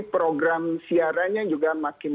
program siarannya juga makin